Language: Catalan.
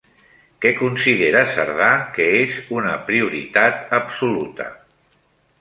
Què considera Cerdà que és una prioritat absoluta?